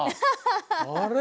あれ？